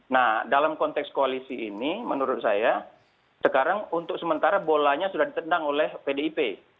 nah dalam konteks koalisi ini menurut saya sekarang untuk sementara bolanya sudah ditendang oleh pdip